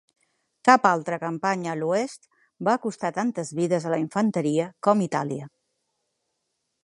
Cap altra campanya a l'oest va costar tantes vides a la infanteria com Itàlia.